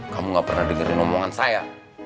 kamu gak pernah dengerin omongan saya